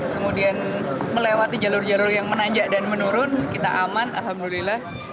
kemudian melewati jalur jalur yang menanjak dan menurun kita aman alhamdulillah